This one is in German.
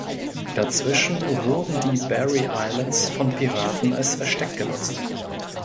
Dazwischen wurden die "Berry Islands" von Piraten als Versteck genutzt.